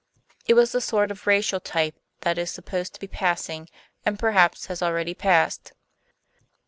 It was the sort of racial type that is supposed to be passing, and perhaps has already passed.